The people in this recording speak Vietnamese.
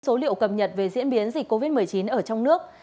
số liệu cập nhật về diễn biến dịch covid một mươi chín ở trong nước